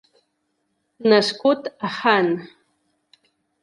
Nascut a Hann.